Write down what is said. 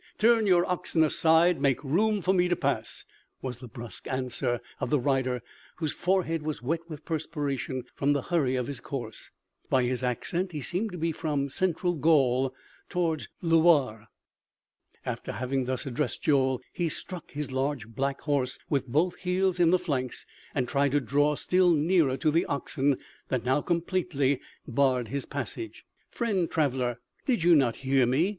Turn your oxen aside; make room for me to pass," was the brusque answer of the rider, whose forehead was wet with perspiration from the hurry of his course. By his accent he seemed to be from central Gaul, towards the Loire. After having thus addressed Joel, he struck his large black horse with both heels in the flanks and tried to draw still nearer to the oxen that now completely barred his passage. "Friend traveler, did you not hear me?"